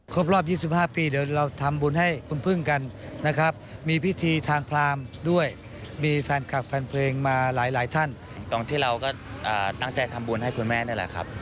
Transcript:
ของแม่พุ่งพวงนะครับ